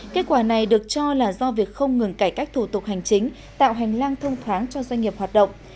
kết quả này được cho là do việc không ngừng cải cách thủ tục hành chính tạo hành lang thông thoáng cho doanh nghiệp hoạt động